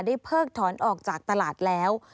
เพิกถอนออกจากตลาดแล้ว